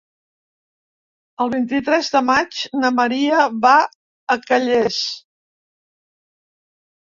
El vint-i-tres de maig na Maria va a Calles.